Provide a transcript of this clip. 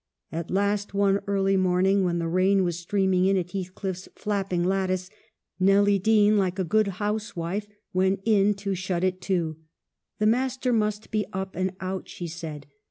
At last one early morning, when the rain was streaming in at Heathcliff's flapping lattice, Nelly Dean, like a good housewife, went in to shut it to. The master must be up or out, she said.